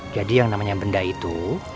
jadi yang namanya benda itu